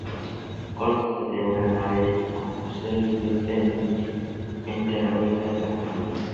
Consta de una nave con crucero y cripta para enterramiento de la comunidad.